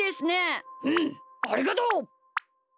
うんありがとう！